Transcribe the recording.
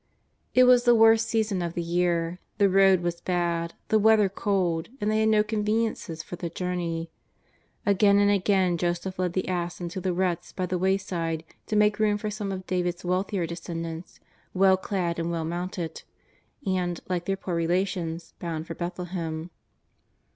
It was the worst season of the year, the road was bad, the weather cold, and they had no conveniences for the journey. Again and again Joseph led the ass into the ruts by the wayside to make room for some of David's wealthier descendants, well clad and well mounted, and, like their poor relations, bound for Bethlehem.